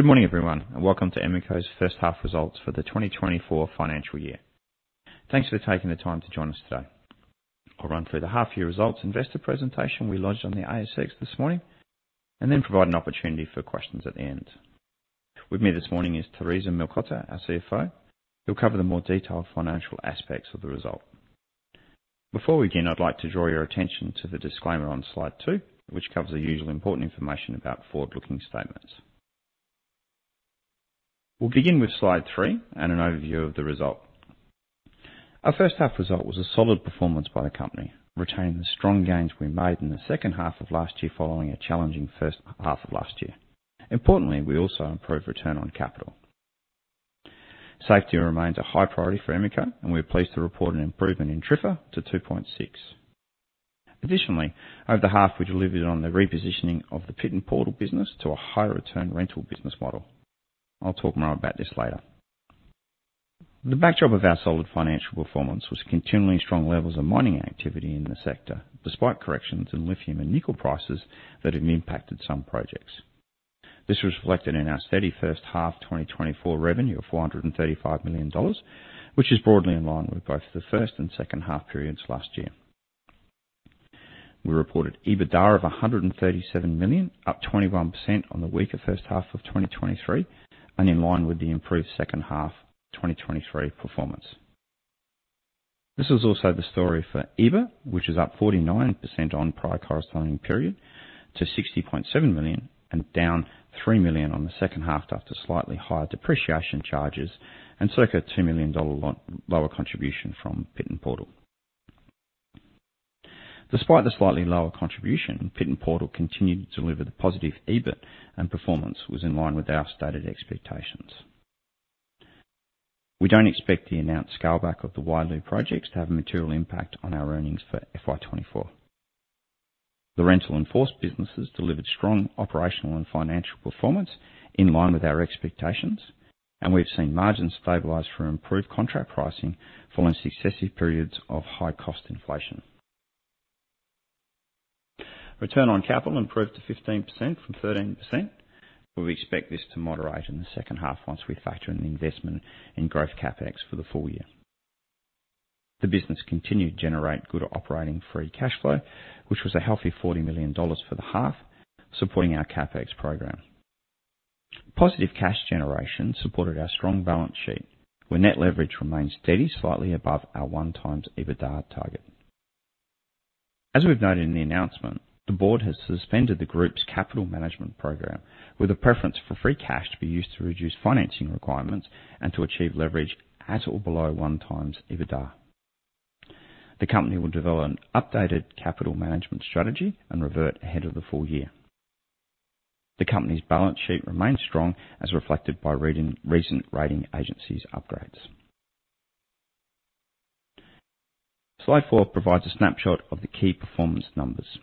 Good morning, everyone, and welcome to Emeco's first half results for the 2024 financial year. Thanks for taking the time to join us today. I'll run through the half year results investor presentation we lodged on the ASX this morning, and then provide an opportunity for questions at the end. With me this morning is Theresa Mlikota, our CFO, who'll cover the more detailed financial aspects of the result. Before we begin, I'd like to draw your attention to the disclaimer on slide two, which covers the usual important information about forward-looking statements. We'll begin with slide three and an overview of the result. Our first half result was a solid performance by the company, retaining the strong gains we made in the second half of last year, following a challenging first half of last year. Importantly, we also improved return on capital. Safety remains a high priority for Emeco, and we are pleased to report an improvement in TRIFR to 2.6. Additionally, over the half, we delivered on the repositioning of the Pit N Portal business to a higher return rental business model. I'll talk more about this later. The backdrop of our solid financial performance was continually strong levels of mining activity in the sector, despite corrections in lithium and nickel prices that have impacted some projects. This was reflected in our steady first half 2024 revenue of AUD 435 million, which is broadly in line with both the first and second half periods last year. We reported EBITDA of 137 million, up 21% on the weaker first half of 2023, and in line with the improved second half 2023 performance. This is also the story for EBIT, which is up 49% on prior corresponding period to 60.7 million and down 3 million on the second half, after slightly higher depreciation charges and circa 2 million dollars on lower contribution from Pit N Portal. Despite the slightly lower contribution, Pit N Portal continued to deliver the positive EBIT and performance was in line with our stated expectations. We don't expect the announced scale back of the Widgie projects to have a material impact on our earnings for FY 2024. The rental and Force businesses delivered strong operational and financial performance in line with our expectations, and we've seen margins stabilize through improved contract pricing following successive periods of high cost inflation. Return on capital improved to 15% from 13%. But we expect this to moderate in the second half once we factor in the investment in growth CapEx for the full year. The business continued to generate good operating free cash flow, which was a healthy 40 million dollars for the half, supporting our CapEx program. Positive cash generation supported our strong balance sheet, where net leverage remains steady, slightly above our 1x EBITDA target. As we've noted in the announcement, the board has suspended the group's capital management program with a preference for free cash to be used to reduce financing requirements and to achieve leverage at or below 1x EBITDA. The company will develop an updated capital management strategy and revert ahead of the full year. The company's balance sheet remains strong, as reflected by recent rating agencies' upgrades. Slide five provides a snapshot of the key performance numbers.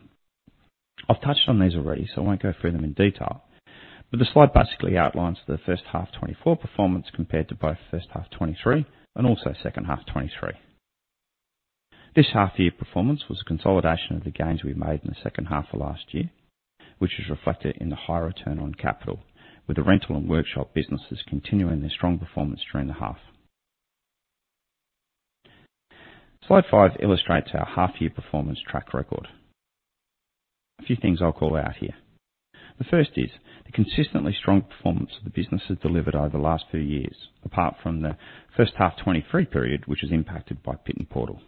I've touched on these already, so I won't go through them in detail, but the slide basically outlines the first half 2024 performance compared to both first half 2023 and also second half 2023. This half year performance was a consolidation of the gains we made in the second half of last year, which is reflected in the higher return on capital, with the rental and workshop businesses continuing their strong performance during the half. Slide five illustrates our half year performance track record. A few things I'll call out here. The first is the consistently strong performance the business has delivered over the last few years, apart from the first half 2023 period, which is impacted by Pit N Portal.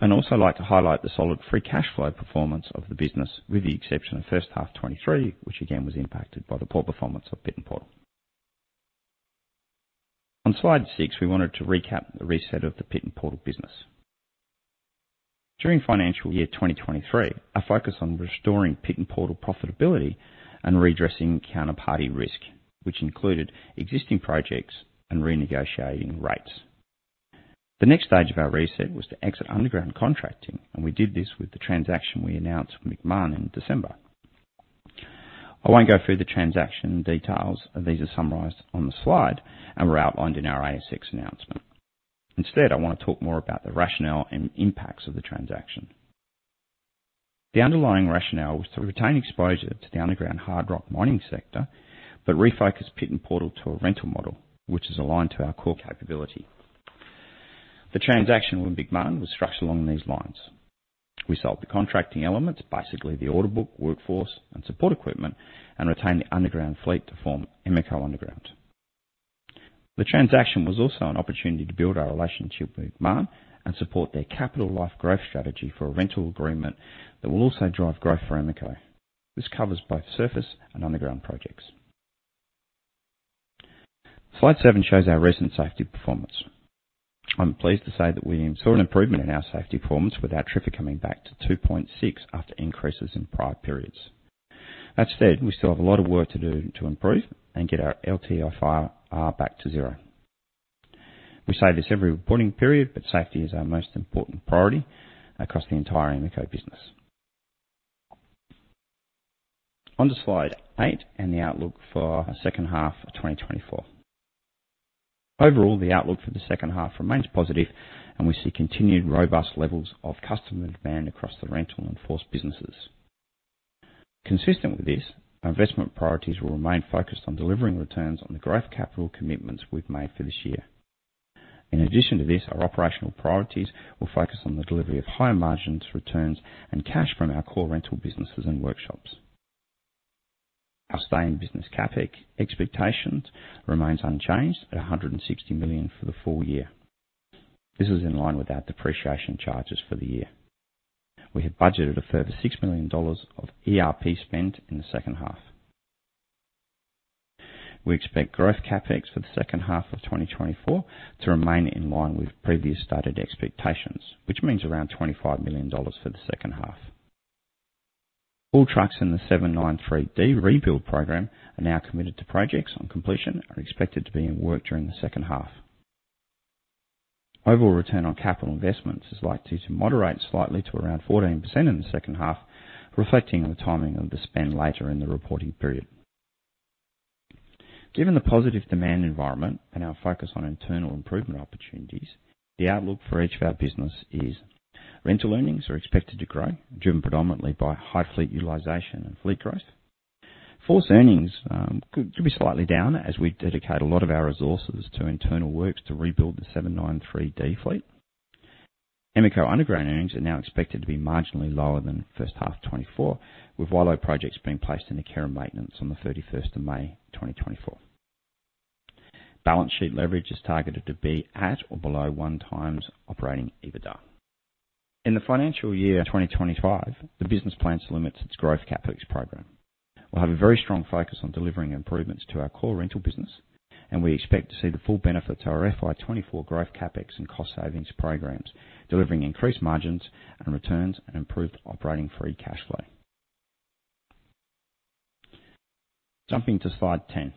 I'd also like to highlight the solid free cash flow performance of the business, with the exception of first half 2023, which again was impacted by the poor performance of Pit N Portal. On slide six, we wanted to recap the reset of the Pit N Portal business. During financial year 2023, our focus on restoring Pit N Portal profitability and redressing counterparty risk, which included existing projects and renegotiating rates. The next stage of our reset was to exit underground contracting, and we did this with the transaction we announced with Macmahon in December. I won't go through the transaction details. These are summarized on the slide and were outlined in our ASX announcement. Instead, I want to talk more about the rationale and impacts of the transaction. The underlying rationale was to retain exposure to the underground hard rock mining sector, but refocus Pit N Portal to a rental model which is aligned to our core capability. The transaction with Macmahon was structured along these lines. We sold the contracting elements, basically the order book, workforce, and support equipment, and retained the underground fleet to form Emeco Underground. The transaction was also an opportunity to build our relationship with Macmahon and support their capital life growth strategy for a rental agreement that will also drive growth for Emeco. This covers both surface and underground projects. Slide seven shows our recent safety performance. I'm pleased to say that we saw an improvement in our safety performance, with our TRIFR coming back to 2.6 after increases in prior periods. That said, we still have a lot of work to do to improve and get our LTIFR back to zero. We say this every reporting period, but safety is our most important priority across the entire Emeco business. On to slide eight and the outlook for our second half of 2024. Overall, the outlook for the second half remains positive, and we see continued robust levels of customer demand across the Rental and Force businesses. Consistent with this, our investment priorities will remain focused on delivering returns on the growth capital commitments we've made for this year. In addition to this, our operational priorities will focus on the delivery of higher margins, returns, and cash from our core rental businesses and workshops. Our staying business CapEx expectations remains unchanged at 160 million for the full year. This is in line with our depreciation charges for the year. We have budgeted a further AUD 6 million dollars of ERP spend in the second half. We expect growth CapEx for the second half of 2024 to remain in line with previous stated expectations, which means around 25 million dollars for the second half. All trucks in the 793D rebuild program are now committed to projects on completion, are expected to be in work during the second half. Overall return on capital investments is likely to moderate slightly to around 14% in the second half, reflecting on the timing of the spend later in the reporting period. Given the positive demand environment and our focus on internal improvement opportunities, the outlook for each of our business is: rental earnings are expected to grow, driven predominantly by high fleet utilization and fleet growth. Force earnings could be slightly down as we dedicate a lot of our resources to internal works to rebuild the 793D fleet. Emeco Underground earnings are now expected to be marginally lower than the first half of 2024, with Wyloo projects being placed into care and maintenance on the thirty-first of May, 2024. Balance sheet leverage is targeted to be at or below 1x operating EBITDA. In the financial year 2025, the business plans to limit its growth CapEx program. We'll have a very strong focus on delivering improvements to our core rental business, and we expect to see the full benefits of our FY 2024 growth CapEx and cost savings programs, delivering increased margins and returns and improved operating free cash flow. Jumping to slide 10.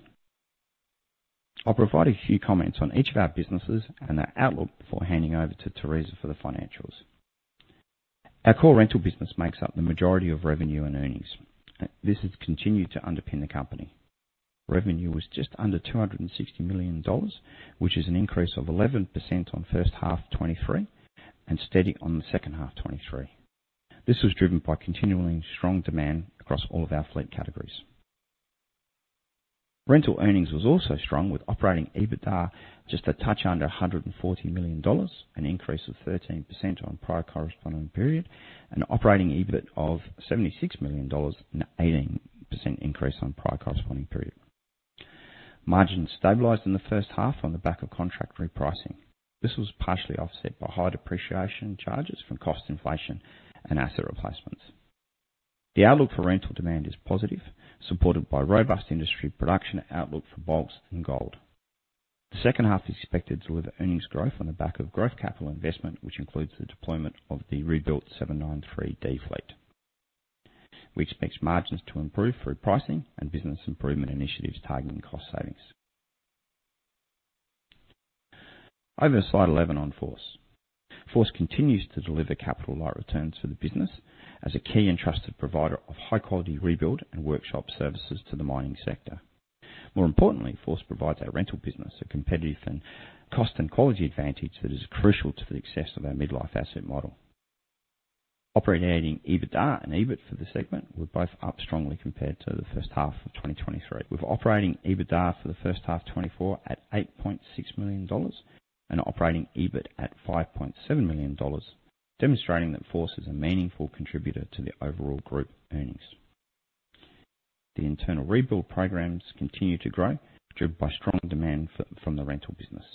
I'll provide a few comments on each of our businesses and our outlook before handing over to Theresa for the financials. Our core rental business makes up the majority of revenue and earnings. This has continued to underpin the company. Revenue was just under 260 million dollars, which is an increase of 11% on first half of 2023, and steady on the second half of 2023. This was driven by continually strong demand across all of our fleet categories. Rental earnings was also strong, with operating EBITDA just a touch under 140 million dollars, an increase of 13% on prior corresponding period, and operating EBIT of 76 million dollars, an 18% increase on prior corresponding period. Margins stabilized in the first half on the back of contract repricing. This was partially offset by high depreciation charges from cost inflation and asset replacements. The outlook for rental demand is positive, supported by robust industry production outlook for bulks and gold. The second half is expected to deliver earnings growth on the back of growth capital investment, which includes the deployment of the rebuilt 793D fleet. We expect margins to improve through pricing and business improvement initiatives targeting cost savings. Over to slide 11 on Force. Force continues to deliver capital-light returns for the business as a key and trusted provider of high-quality rebuild and workshop services to the mining sector. More importantly, Force provides our rental business a competitive and cost and quality advantage that is crucial to the success of our mid-life asset model. Operating EBITDA and EBIT for the segment were both up strongly compared to the first half of 2023, with operating EBITDA for the first half of 2024 at 8.6 million dollars and operating EBIT at 5.7 million dollars, demonstrating that Force is a meaningful contributor to the overall group earnings. The internal rebuild programs continue to grow, driven by strong demand from the rental business.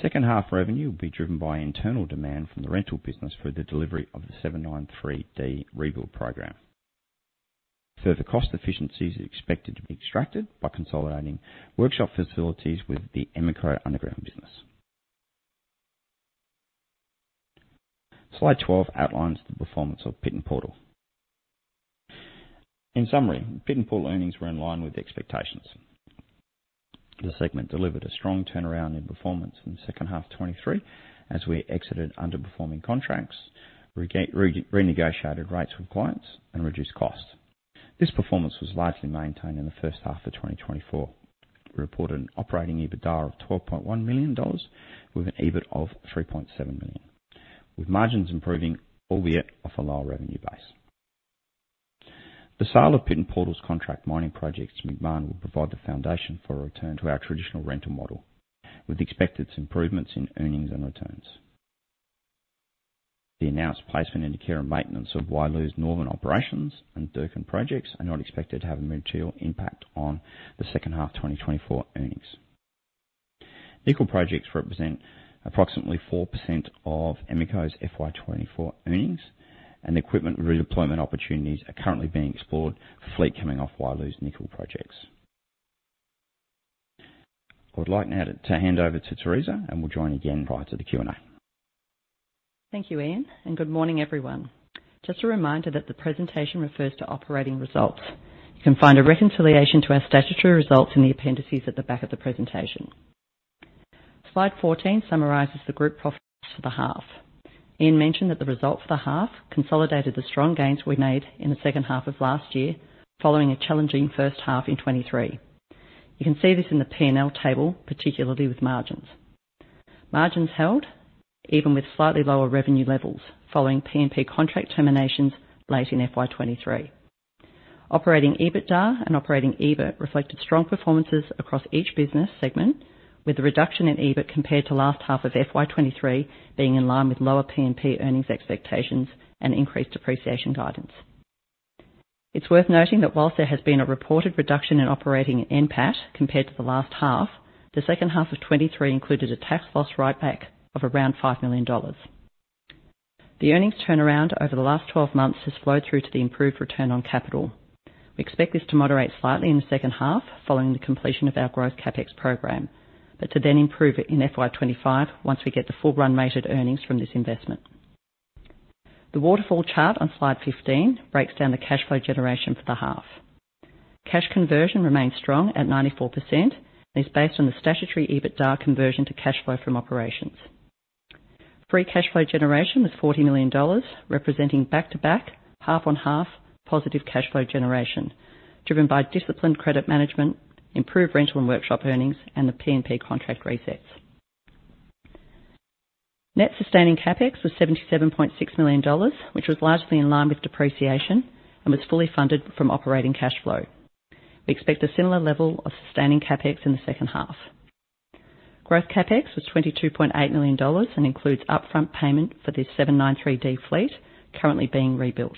Second half revenue will be driven by internal demand from the rental business for the delivery of the 793D rebuild program. Further cost efficiencies are expected to be extracted by consolidating workshop facilities with the Emeco Underground business. Slide 12 outlines the performance of Pit N Portal. In summary, Pit N Portal earnings were in line with expectations. The segment delivered a strong turnaround in performance in the second half of 2023, as we exited underperforming contracts, renegotiated rates with clients, and reduced costs. This performance was largely maintained in the first half of 2024. We reported an operating EBITDA of 12.1 million dollars, with an EBIT of 3.7 million, with margins improving, albeit off a lower revenue base. The sale of Pit N Portal's contract mining projects to Macmahon will provide the foundation for a return to our traditional rental model, with expected improvements in earnings and returns. The announced placement into care and maintenance of Wyloo's Norman operations and Durkin projects are not expected to have a material impact on the second half of 2024 earnings. Nickel projects represent approximately 4% of Emeco's FY 2024 earnings, and equipment redeployment opportunities are currently being explored for fleet coming off Wyloo's nickel projects. I would like now to hand over to Theresa, and we'll join again prior to the Q&A. Thank you, Ian, and good morning, everyone. Just a reminder that the presentation refers to operating results. You can find a reconciliation to our statutory results in the appendices at the back of the presentation. Slide 14 summarizes the group profits for the half. Ian mentioned that the result for the half consolidated the strong gains we made in the second half of last year, following a challenging first half in 2023. You can see this in the P&L table, particularly with margins. Margins held even with slightly lower revenue levels following PMP contract terminations late in FY 2023. Operating EBITDA and operating EBIT reflected strong performances across each business segment, with a reduction in EBIT compared to last half of FY 2023 being in line with lower PMP earnings expectations and increased depreciation guidance. It's worth noting that while there has been a reported reduction in operating NPAT compared to the last half, the second half of 2023 included a tax loss write back of around 5 million dollars. The earnings turnaround over the last 12 months has flowed through to the improved return on capital. We expect this to moderate slightly in the second half, following the completion of our growth CapEx program, but to then improve it in FY 2025 once we get the full run rated earnings from this investment. The waterfall chart on slide 15 breaks down the cash flow generation for the half. Cash conversion remains strong at 94% and is based on the statutory EBITDA conversion to cash flow from operations. Free cash flow generation was 40 million dollars, representing back-to-back, half-on-half positive cash flow generation, driven by disciplined credit management, improved rental and workshop earnings, and the PMP contract resets. Net sustaining CapEx was AUD 77.6 million, which was largely in line with depreciation and was fully funded from operating cash flow. We expect a similar level of sustaining CapEx in the second half. Growth CapEx was AUD 22.8 million and includes upfront payment for the 793D fleet currently being rebuilt.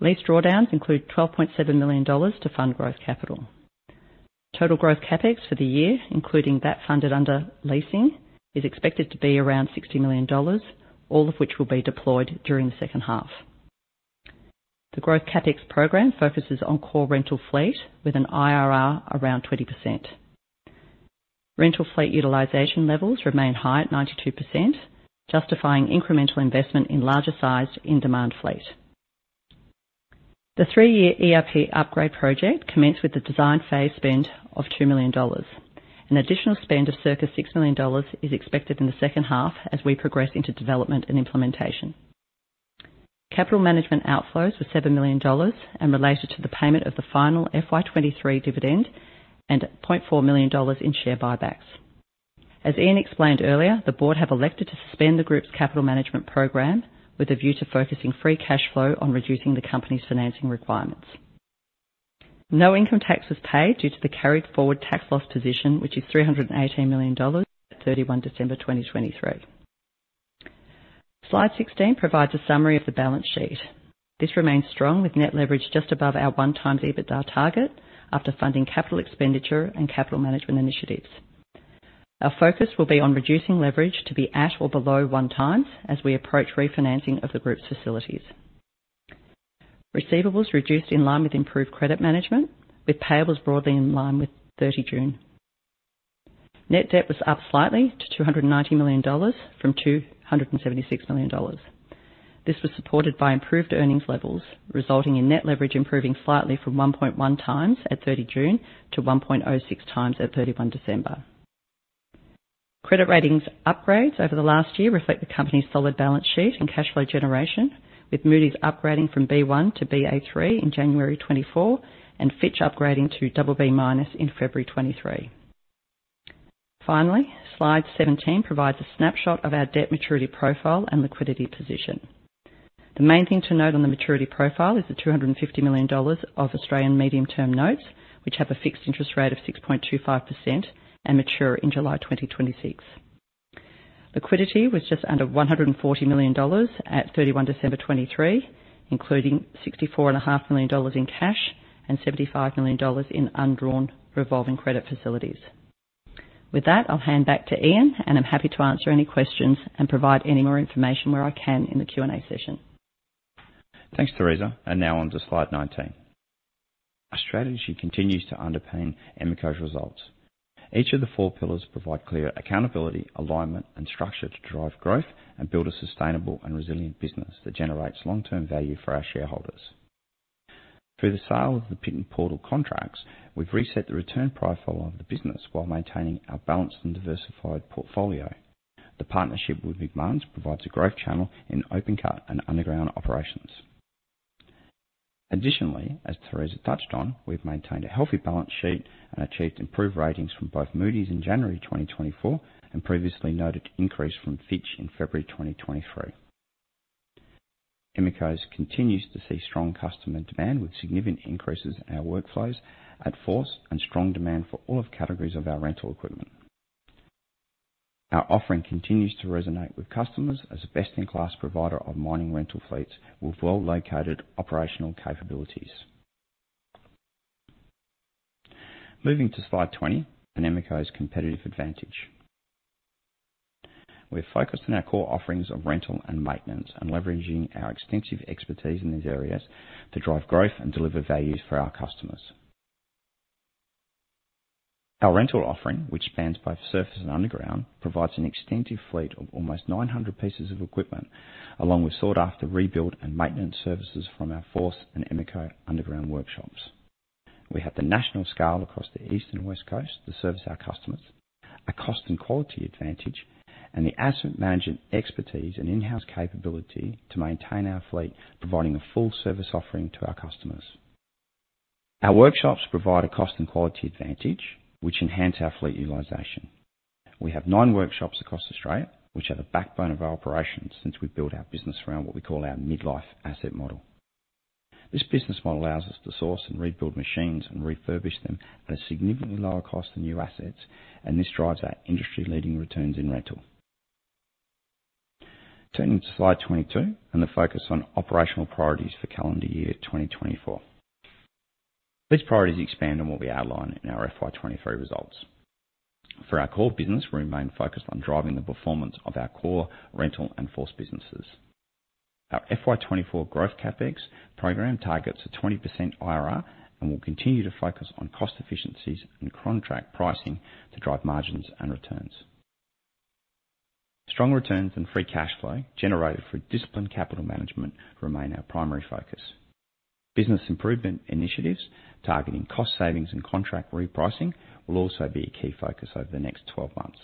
Lease drawdowns include 12.7 million dollars to fund growth capital. Total growth CapEx for the year, including that funded under leasing, is expected to be around 60 million dollars, all of which will be deployed during the second half. The growth CapEx program focuses on core rental fleet with an IRR around 20%. Rental fleet utilization levels remain high at 92%, justifying incremental investment in larger sized, in-demand fleet. The 3-year ERP upgrade project commenced with the design phase spend of 2 million dollars. An additional spend of circa 6 million dollars is expected in the second half as we progress into development and implementation. Capital management outflows were 7 million dollars and related to the payment of the final FY 2023 dividend and 0.4 million dollars in share buybacks. As Ian explained earlier, the board have elected to suspend the group's capital management program with a view to focusing free cash flow on reducing the company's financing requirements. No income tax was paid due to the carried forward tax loss position, which is 318 million dollars at December 31, 2023. Slide 16 provides a summary of the balance sheet. This remains strong with net leverage just above our 1x EBITDA target after funding capital expenditure and capital management initiatives. Our focus will be on reducing leverage to be at or below 1x as we approach refinancing of the group's facilities. Receivables reduced in line with improved credit management, with payables broadly in line with June 30. Net debt was up slightly to 290 million dollars from 276 million dollars. This was supported by improved earnings levels, resulting in net leverage improving slightly from 1.1x at June 30 to 1.06x at December 31. Credit ratings upgrades over the last year reflect the company's solid balance sheet and cash flow generation, with Moody's upgrading from B1 to Ba3 in January 2024 and Fitch upgrading to BB- in February 2023. Finally, slide 17 provides a snapshot of our debt maturity profile and liquidity position. The main thing to note on the maturity profile is the 250 million dollars of Australian medium-term notes, which have a fixed interest rate of 6.25% and mature in July 2026. Liquidity was just under 140 million dollars at December 31, 2023, including 64.5 million dollars in cash and 75 million dollars in undrawn revolving credit facilities. With that, I'll hand back to Ian, and I'm happy to answer any questions and provide any more information where I can in the Q&A session. Thanks, Theresa. Now on to slide 19. Our strategy continues to underpin Emeco's results. Each of the four pillars provide clear accountability, alignment, and structure to drive growth and build a sustainable and resilient business that generates long-term value for our shareholders. Through the sale of the Pit N Portal contracts, we've reset the return profile of the business while maintaining our balanced and diversified portfolio. The partnership with Macmahon provides a growth channel in open cut and underground operations. Additionally, as Theresa touched on, we've maintained a healthy balance sheet and achieved improved ratings from both Moody's in January 2024 and previously noted increase from Fitch in February 2023. Emeco continues to see strong customer demand, with significant increases in our workflows at Force and strong demand for all of categories of our rental equipment. Our offering continues to resonate with customers as a best-in-class provider of mining rental fleets with well-located operational capabilities. Moving to slide 20 and Emeco's competitive advantage. We're focused on our core offerings of rental and maintenance and leveraging our extensive expertise in these areas to drive growth and deliver values for our customers. Our rental offering, which spans both surface and underground, provides an extensive fleet of almost 900 pieces of equipment, along with sought-after rebuilt and maintenance services from our Force and Emeco underground workshops. We have the national scale across the East and West Coast to service our customers, a cost and quality advantage, and the asset management expertise and in-house capability to maintain our fleet, providing a full service offering to our customers. Our workshops provide a cost and quality advantage, which enhance our fleet utilization. We have nine workshops across Australia, which are the backbone of our operations since we built our business around what we call our mid-life asset model. This business model allows us to source and rebuild machines and refurbish them at a significantly lower cost than new assets, and this drives our industry-leading returns in rental. Turning to slide 22, and the focus on operational priorities for calendar year 2024. These priorities expand on what we outlined in our FY 2023 results. For our core business, we remain focused on driving the performance of our core rental and Force businesses. Our FY 2024 growth CapEx program targets a 20% IRR and will continue to focus on cost efficiencies and contract pricing to drive margins and returns. Strong returns and free cash flow generated through disciplined capital management remain our primary focus. Business improvement initiatives, targeting cost savings and contract repricing, will also be a key focus over the next 12 months.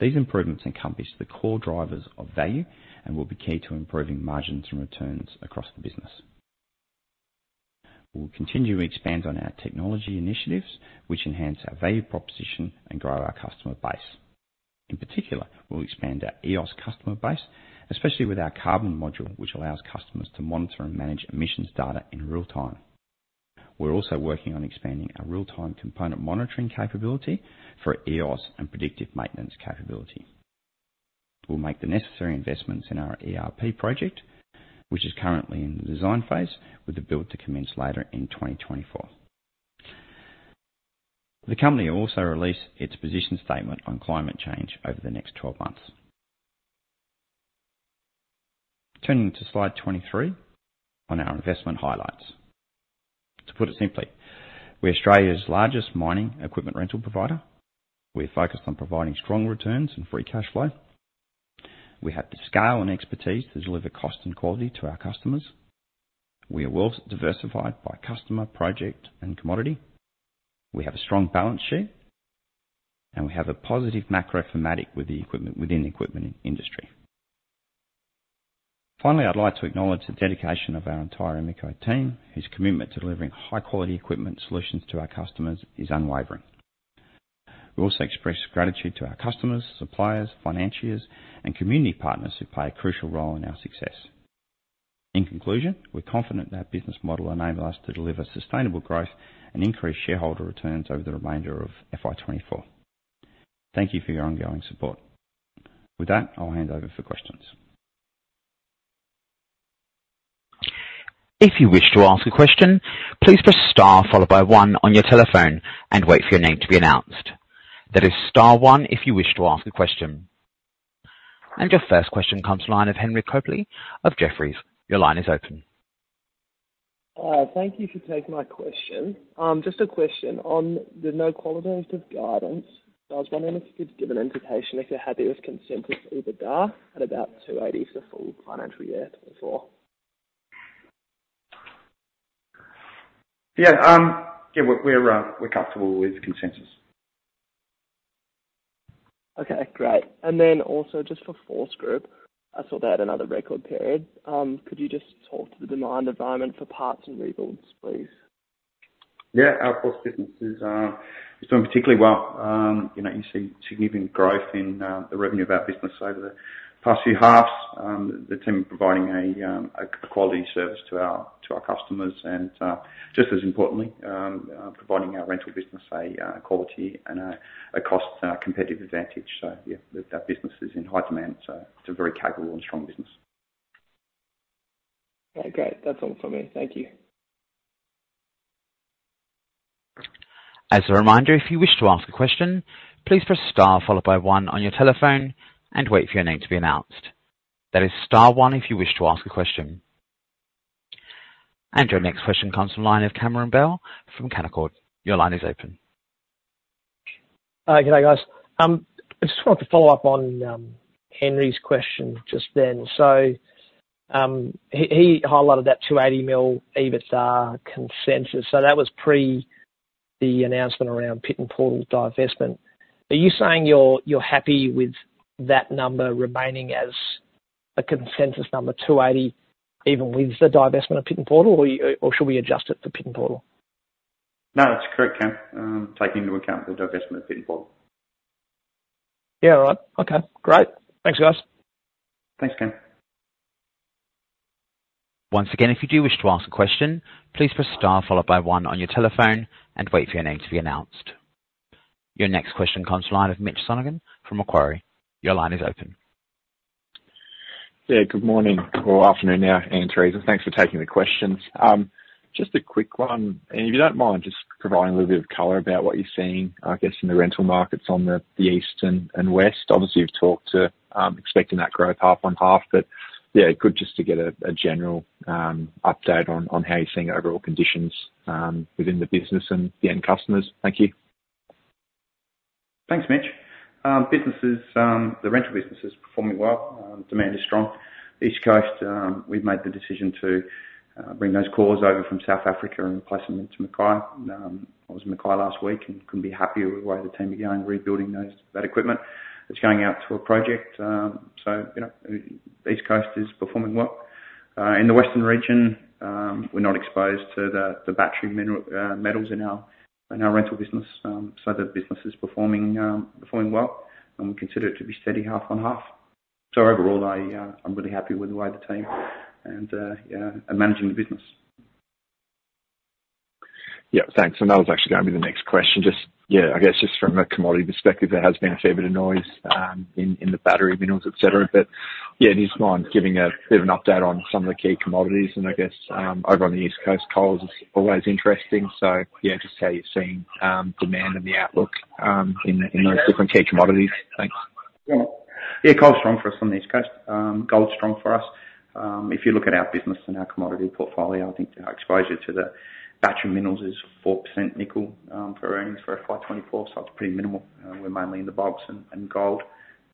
These improvements encompass the core drivers of value and will be key to improving margins and returns across the business. We'll continue to expand on our technology initiatives, which enhance our value proposition and grow our customer base. In particular, we'll expand our EOS customer base, especially with our carbon module, which allows customers to monitor and manage emissions data in real time. We're also working on expanding our real-time component monitoring capability for EOS and predictive maintenance capability. We'll make the necessary investments in our ERP project, which is currently in the design phase, with the build to commence later in 2024. The company will also release its position statement on climate change over the next 12 months. Turning to slide 23 on our investment highlights. To put it simply, we're Australia's largest mining equipment rental provider. We're focused on providing strong returns and free cash flow. We have the scale and expertise to deliver cost and quality to our customers. We are well diversified by customer, project, and commodity. We have a strong balance sheet, and we have a positive macro thematic with the equipment within the equipment industry. Finally, I'd like to acknowledge the dedication of our entire Emeco team, whose commitment to delivering high-quality equipment solutions to our customers is unwavering. We also express gratitude to our customers, suppliers, financiers, and community partners who play a crucial role in our success. In conclusion, we're confident that our business model enables us to deliver sustainable growth and increase shareholder returns over the remainder of FY 2024. Thank you for your ongoing support. With that, I'll hand over for questions. If you wish to ask a question, please press star followed by one on your telephone and wait for your name to be announced. That is star one if you wish to ask a question. Your first question comes from the line of Henry Copley of Jefferies. Your line is open. Thank you for taking my question. Just a question on the no qualitative guidance. I was wondering if you could give an indication if you're happy with consensus EBITDA at about 280 million for the full financial year 2024? Yeah, yeah, we're comfortable with the consensus. Okay, great. And then also just for Force Group, I saw they had another record period. Could you just talk to the demand environment for parts and rebuilds, please? Yeah, our Force business is doing particularly well. You know, you see significant growth in the revenue of our business over the past few halves. The team providing a quality service to our customers, and just as importantly, providing our rental business a quality and a cost competitive advantage. So, yeah, that business is in high demand, so it's a very capable and strong business. Okay, great. That's all for me. Thank you. As a reminder, if you wish to ask a question, please press star followed by one on your telephone and wait for your name to be announced. That is star one if you wish to ask a question. Your next question comes from the line of Cameron Bell from Canaccord. Your line is open. Good day, guys. I just wanted to follow up on Henry's question just then. So, he highlighted that 280 million EBITDA consensus. So that was pre the announcement around Pit N Portal's divestment. Are you saying you're happy with that number remaining as a consensus number, 280, even with the divestment of Pit N Portal, or should we adjust it for Pit N Portal? No, that's correct, Cam, taking into account the divestment of Pit N Portal. Yeah. All right. Okay, great. Thanks, guys. Thanks, Cam. Once again, if you do wish to ask a question, please press star followed by one on your telephone and wait for your name to be announced. Your next question comes to the line of Mitch Sonogan from Macquarie. Your line is open. Yeah, good morning or afternoon there, Ian and Theresa. Thanks for taking the questions. Just a quick one, and if you don't mind just providing a little bit of color about what you're seeing, I guess, in the rental markets on the east and west. Obviously, you've talked to expecting that growth half on half, but yeah, good just to get a general update on how you're seeing overall conditions within the business and the end customers. Thank you. Thanks, Mitch. Businesses, the rental business is performing well. Demand is strong. East Coast, we've made the decision to bring those cores over from South Africa and replace them into Mackay. I was in Mackay last week and couldn't be happier with the way the team are going, rebuilding that equipment. It's going out to a project, so, you know, East Coast is performing well. In the Western region, we're not exposed to the battery mineral metals in our rental business. So the business is performing well, and we consider it to be steady half on half. So overall, I, I'm really happy with the way the team and, yeah, are managing the business. Yeah, thanks. And that was actually gonna be the next question. Just, yeah, I guess just from a commodity perspective, there has been a fair bit of noise in the battery minerals et cetera. But yeah, do you mind giving a bit of an update on some of the key commodities? And I guess over on the East Coast, coal is always interesting. So yeah, just how you're seeing demand and the outlook in those different key commodities. Thanks. Yeah. Yeah, coal's strong for us on the East Coast. Gold's strong for us. If you look at our business and our commodity portfolio, I think our exposure to the battery minerals is 4% nickel, for earnings for FY 2024, so it's pretty minimal. We're mainly in the bulks and, and gold,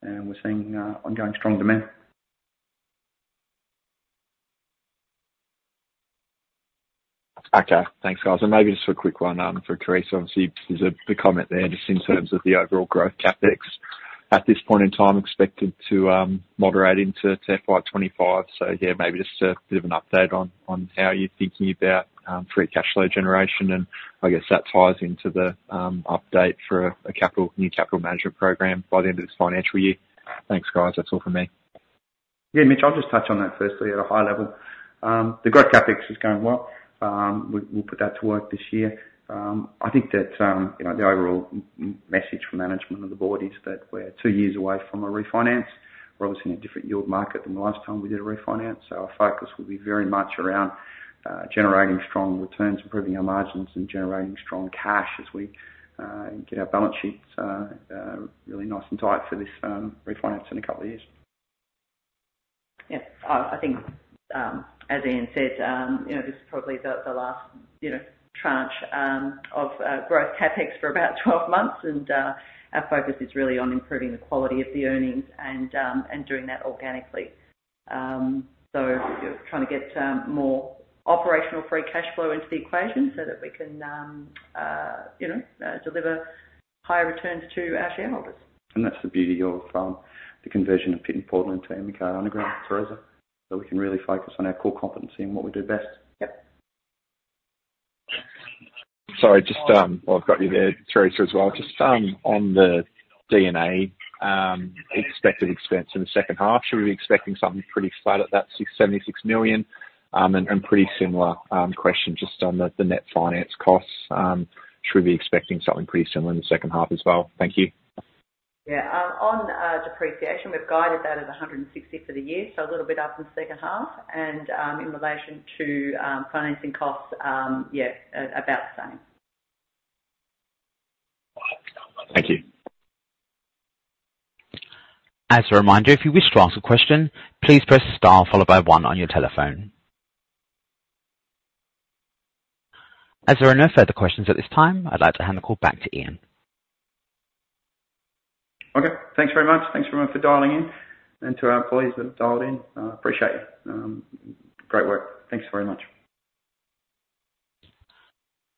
and we're seeing, ongoing strong demand. Okay. Thanks, guys. And maybe just for a quick one, for Theresa, obviously, there's the comment there, just in terms of the overall growth CapEx. At this point in time, expected to moderate into FY 2025. So yeah, maybe just a bit of an update on how you're thinking about free cash flow generation, and I guess that ties into the update for a capital, new capital management program by the end of this financial year. Thanks, guys. That's all from me. Yeah, Mitch, I'll just touch on that firstly at a high level. The growth CapEx is going well. We, we'll put that to work this year. I think that, you know, the overall message from management and the board is that we're two years away from a refinance. We're obviously in a different yield market than the last time we did a refinance, so our focus will be very much around, generating strong returns, improving our margins, and generating strong cash as we, get our balance sheets, really nice and tight for this, refinance in a couple of years. Yeah. I, I think, as Ian said, you know, this is probably the, the last, you know, tranche, of growth CapEx for about 12 months. And, our focus is really on improving the quality of the earnings and, and doing that organically. So we're trying to get, more operational free cash flow into the equation so that we can, you know, deliver higher returns to our shareholders. That's the beauty of the conversion of Pit N Portal into an underground, Theresa. So we can really focus on our core competency and what we do best. Yep. Sorry, just while I've got you there, Theresa, as well, just on the DNA expected expense in the second half, should we be expecting something pretty slight at that 676 million? And pretty similar question, just on the net finance costs, should we be expecting something pretty similar in the second half as well? Thank you. Yeah. On depreciation, we've guided that at 160 for the year, so a little bit up in the second half. In relation to financing costs, yeah, about the same. Thank you. As a reminder, if you wish to ask a question, please press star followed by one on your telephone. As there are no further questions at this time, I'd like to hand the call back to Ian. Okay. Thanks very much. Thanks everyone for dialing in, and to our employees that have dialed in, appreciate it. Great work. Thanks very much.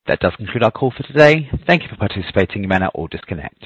That does conclude our call for today. Thank you for participating. You may now all disconnect.